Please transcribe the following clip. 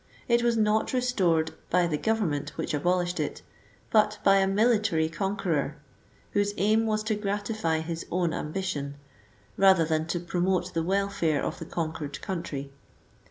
It was not restored by the government which abolished it, but by a military conqueror, whose aim was to gratify his own ambition, rather than to pro mote the welfare of the conquered country.